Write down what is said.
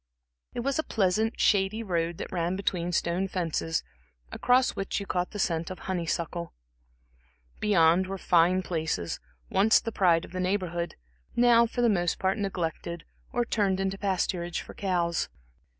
It was a pleasant, shady road, that ran between stone fences, across which you caught the scent of honey suckle. Beyond were fine places, once the pride of the Neighborhood, now for the most part neglected, or turned into pasturage for cows.